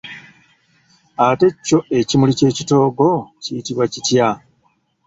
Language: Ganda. Ate kyo ekimuli ky'ekitoogo kiyitibwa kitya?